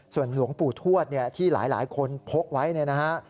ส่วนหลวงปู่ทวดที่หลายคนพกไว้นะฮะ